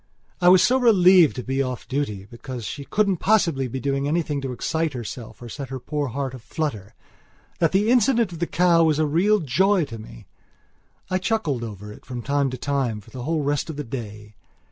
I was so relieved to be off duty, because she couldn't possibly be doing anything to excite herself or set her poor heart a flutteringthat the incident of the cow was a real joy to me. I chuckled over it from time to time for the whole rest of the day.